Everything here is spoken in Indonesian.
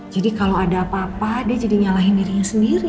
jadi kalau ada apa apa dia jadi nyalahin dirinya sendiri